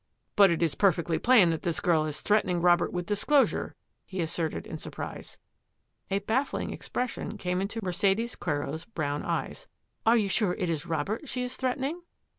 ^^ But it is perfectly plain that this girl is threatening Robert with disclosure," he asserted in surprise. A baffling expression came into Mercedes Quero's brown eyes. " Are you sure it is Robert she is threatening?